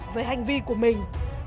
với hành vi của mình